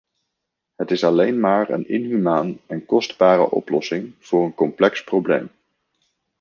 Het is alleen maar een inhumaan en kostbare oplossing voor een complex probleem.